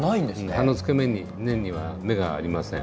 葉の付け根には芽がありません。